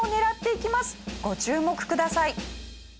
ご注目ください。